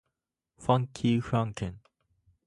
ファンキーフランケン